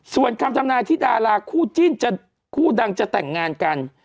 ส่วนคำทำนายที่ดาราคู่จิ้นคู่ดังจะแต่งงานกัน